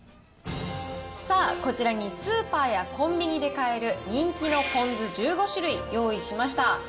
さあ、こちらにスーパーやコンビニで買える人気のポン酢１５種類、用意しました。